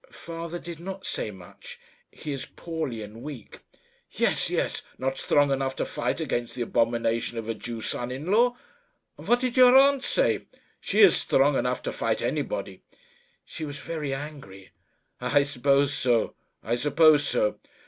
"Father did not say much. He is poorly and weak." "Yes, yes; not strong enough to fight against the abomination of a Jew son in law. And what did your aunt say? She is strong enough to fight anybody." "She was very angry." "I suppose so, I suppose so.